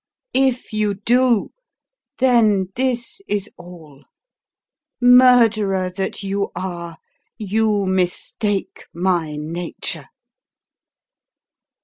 If you do, then this is all: murderer that you are, you mistake my nature."